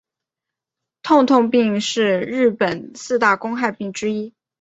痛痛病是日本四大公害病之一。